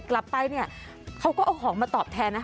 กลับไปเนี่ยเขาก็เอาของมาตอบแทนนะ